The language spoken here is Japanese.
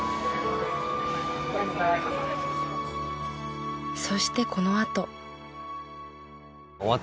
そしてこのあと。